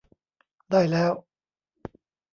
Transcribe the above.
ได้แล้ว